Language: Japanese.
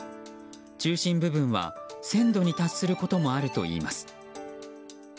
中心部分は１０００度に達することもあるといいます。